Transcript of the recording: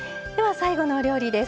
最後のお料理です。